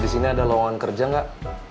di sini ada lawan kerja gak